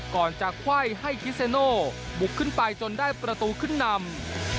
ก่อนจะไขว้ให้คิเซโน่บุกขึ้นไปจนได้ประตูขึ้นนำ